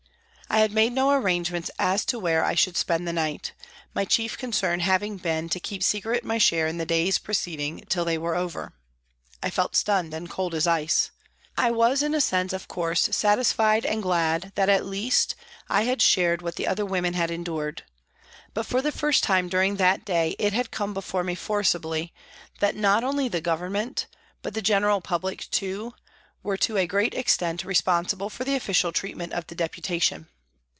I had made no arrangements as to where I should spend the night, my chief concern having been to keep secret my share in the day's proceedings till they were over. I felt stunned and cold as ice. I was in a sense, of course, satisfied and glad that, at least, I had shared what the other women had endured, but for the first time during that day it had come before me forcibly that, not only the Government, but the general public too were to a great extent responsible for the official treatment of the Deputation.